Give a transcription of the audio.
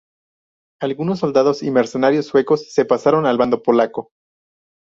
Algunos soldados y mercenarios suecos se pasaron al bando polaco.